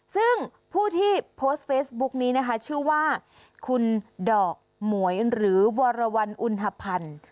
ซึ่งผู้ที่โพสต์เฟซบุ๊กนี้นะคะชื่อว่าคุณดอกหมวยหรือวรวรรณอุณหพันธ์